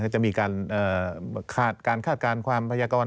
จะมีการคาดการณ์ความพยากรณ์